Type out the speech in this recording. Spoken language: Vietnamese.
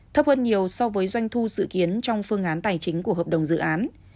thấp hơn nhiều so với doanh thu dự kiến trong phương án